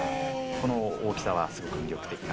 この大きさはすごく魅力的かなと。